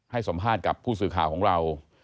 ให้สัมภาษณ์กับผู้สื่อข่าวของเรา